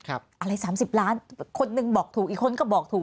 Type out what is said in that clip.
อะไร๓๐ล้านคนหนึ่งบอกถูกอีกคนก็บอกถูก